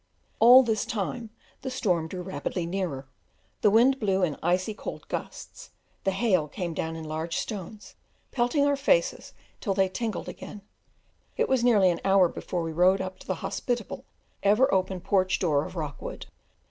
All this time the storm drew rapidly nearer, the wind blew in icy cold gusts, the hail came down in large stones, pelting our faces till they tingled again; it was nearly an hour before we rode up to the hospitable, ever open porch door of Rockwood.